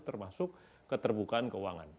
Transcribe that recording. termasuk keterbukaan keuangan